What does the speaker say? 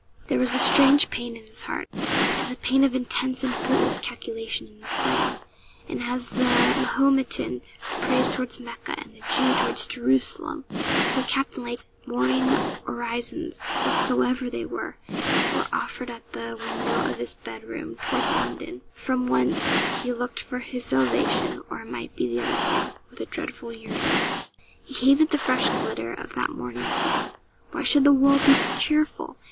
There was a strange pain at his heart, and the pain of intense and fruitless calculation in his brain; and, as the Mahometan prays towards Mecca, and the Jew towards Jerusalem, so Captain Lake's morning orisons, whatsoever they were, were offered at the window of his bed room toward London, from whence he looked for his salvation, or it might be the other thing with a dreadful yearning. He hated the fresh glitter of that morning scene. Why should the world be cheerful?